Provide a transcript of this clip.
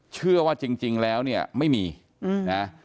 เชื่อว่าจริงแล้วเนี่ยไม่มีนะ